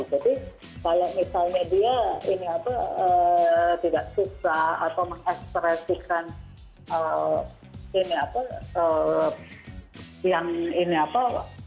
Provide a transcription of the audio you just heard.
jadi kayak misalnya dia ini apa tidak susah atau mengekspresikan ini apa yang ini apa